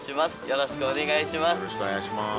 よろしくお願いします。